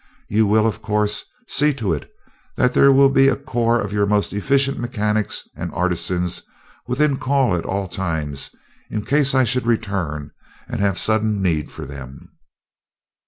You will, of course, see to it that there will be a corps of your most efficient mechanics and artisans within call at all times in case I should return and have sudden need for them."